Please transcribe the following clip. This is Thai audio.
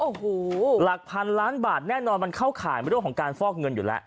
โอ้โหหลักพันล้านบาทแน่นอนมันเข้าข่ายเรื่องของการฟอกเงินอยู่แล้ว